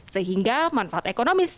sehingga manfaat ekonomis